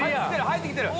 入って来てる！